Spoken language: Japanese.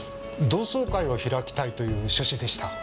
同窓会を開きたいという趣旨でした。